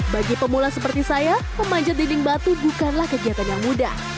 bagi pemula seperti saya memanjat dinding batu bukanlah kegiatan yang mudah